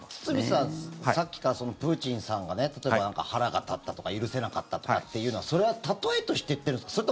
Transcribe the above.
堤さん、さっきからプーチンさんが例えば、腹が立ったとか許せなかったとかっていうのはそれは例えとして言ってるんですか？